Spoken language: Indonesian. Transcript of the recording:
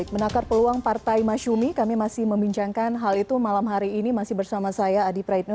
menakar peluang partai masyumi kami masih membincangkan hal itu malam hari ini masih bersama saya adi praitno